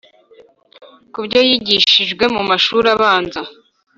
ku byo yigishijwe mu mashuri abanza,